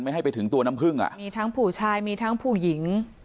ให้ไปถึงตัวน้ำพึ่งอ่ะมีทั้งผู้ชายมีทั้งผู้หญิง